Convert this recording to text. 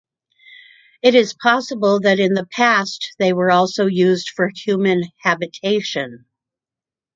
It is possible that in the past they were also used for human habitation.